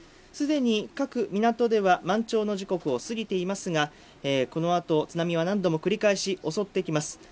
既に各港では満潮の時刻を過ぎていますがこのあと津波は何度も繰り返し襲ってきます。